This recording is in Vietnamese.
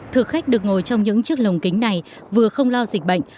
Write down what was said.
thực khách được ngồi trong những chiếc lồng kính này vừa không lo dịch bệnh